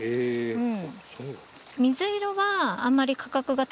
うん。